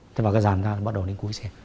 thế vào cái ràn ra bắt đầu đến cuối xe